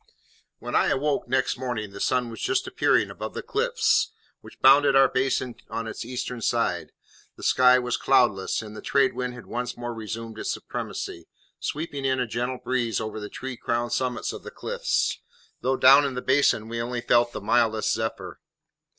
When I awoke next morning the sun was just appearing above the cliffs which bounded our basin on its eastern side, the sky was cloudless, and the trade wind had once more resumed its supremacy, sweeping in a gentle breeze over the tree crowned summits of the cliffs, though down in the basin we only felt the mildest zephyr.